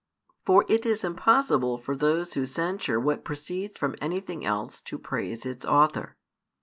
For it is impossible for those who censure what proceeds from anything else to praise its author.